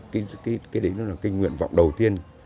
cái đấy nó là cái nguyện vọng đầu tiên